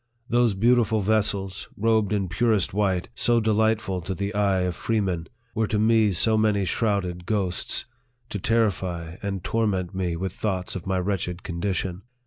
Those beautiful vessels, robed in purest white, so delightful to the eye of freemen, were to me so many shrouded ghosts, to terrify and torment me with thoughts of my wretched condition.